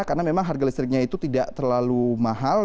karena memang harga listriknya itu tidak terlalu mahal